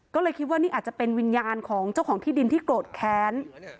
ก็เลยคิดว่านี่อาจจะเป็นวิญญาณของเจ้าของที่ดินที่โกรธแค้น